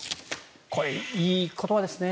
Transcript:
これ、いい言葉ですね。